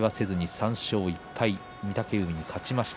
３勝１敗、御嶽海に勝ちました。